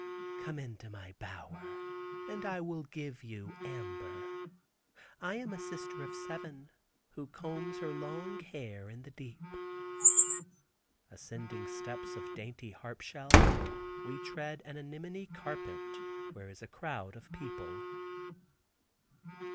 "Come into my bower, and I will give you amber. I am a sister of seven who combs her long hair in the deep." Ascending steps of dainty harpshell, we tread an anemone carpet where is a crowd of people.